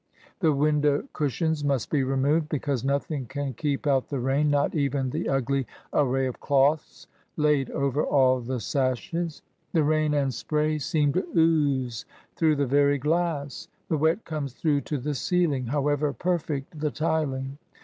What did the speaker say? The window cushions must be removed, because nothing can keep out the rain, not even the ugly array of cloths laid over all the sashes. The rain and spray seem to ooze through the very glass. The wet comes through to the ceiling, however perfect the tiling.